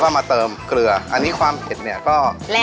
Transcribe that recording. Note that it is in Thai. เราก็มาเติมเครืออันนี้ความเผ็ดนี่ก็